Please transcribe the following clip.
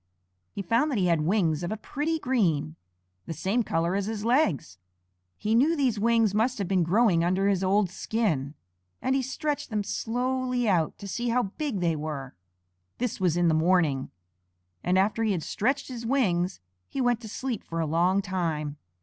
He found that he had wings of a pretty green, the same color as his legs. He knew these wings must have been growing under his old skin, and he stretched them slowly out to see how big they were. This was in the morning, and after he had stretched his wings he went to sleep for a long time.